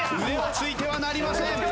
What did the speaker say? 腕をついてはなりません。